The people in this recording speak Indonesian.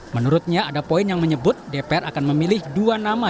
menurutnya ada poin yang menyebut dpr akan memilih dua nama